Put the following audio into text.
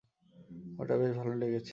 এটা বেশ ভালো লেগেছে।